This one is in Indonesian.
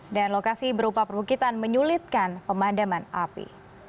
lokasi berupa perbukitan menyulitkan pemadaman api